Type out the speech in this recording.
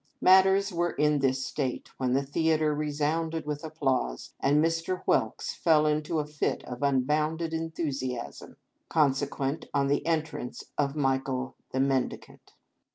Matters were in this state when the Theatre resounded with applause, and Mr. Whelks fell into a fit of nnbounded en thusiasm, consequent on the entrance of " Michael the Men dicant."